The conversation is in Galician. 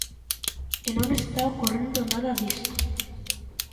E non está ocorrendo nada disto.